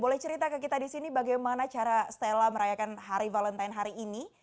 boleh cerita ke kita di sini bagaimana cara stella merayakan hari valentine hari ini